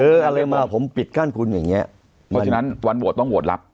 อะไรมาผมปิดกั้นคุณอย่างเงี้ยเพราะฉะนั้นวันโหวตต้องโหวตรับ